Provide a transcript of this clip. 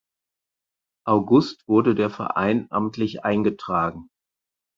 August wurde der Verein amtlich eingetragen.